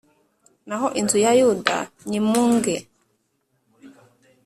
naho inzu ya Yuda nyimunge.